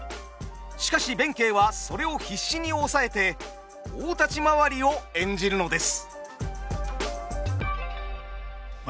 しかし弁慶はそれを必死に抑えて大立ち回りを演じるのです。